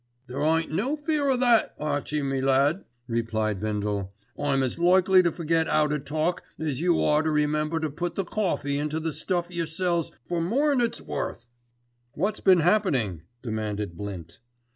"There ain't no fear o' that, Archie my lad," replied Bindle. "I'm as likely to forget 'ow to talk as you are to remember to put the cawfee into the stuff yer sells for more'n it's worth." "What's been happening?" demanded Blint.